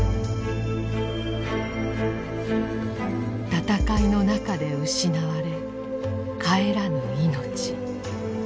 戦いの中で失われ帰らぬ命。